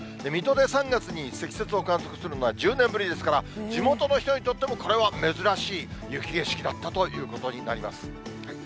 水戸で３月に積雪を観測するのは１０年ぶりですから、地元の人にとっても、これは珍しい雪景色だったということになります。